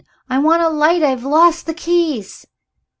I want a light I've lost the keys!"